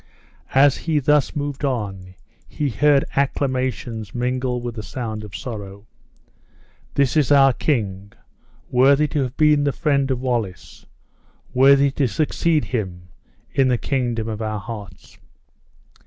As he thus moved on, he heard acclamations mingle with the voice of sorrow. "This is our king, worthy to have been the friend of Wallace! worthy to succeed him in the kingdom of our hearts."